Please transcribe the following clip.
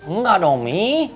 enggak dong mi